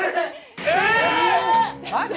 マジ？